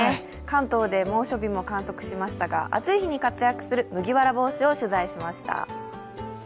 関東で猛暑日も観測しましたが、暑い日に活躍する麦わら帽子を取材しました。